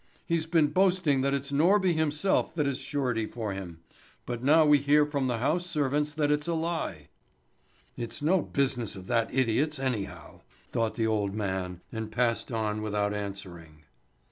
He's been boasting that it's Norby himself that is surety for him; but now we hear from the house servants that it's a lie." "It's no business of that idiot's anyhow!" thought the old man, and passed on without answering.